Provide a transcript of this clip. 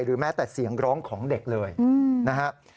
หรือแม้แต่เสียงร้องของเด็กเลยนะครับ